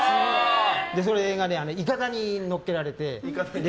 それがいかだに乗っけられて。